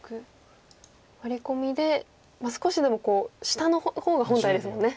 ワリコミで少しでも下の方が本体ですもんね。